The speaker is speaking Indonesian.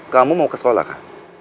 kamu mau ke sekolah kan